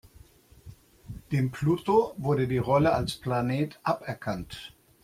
Dem Pluto wurde die Rolle als Planet aberkannt.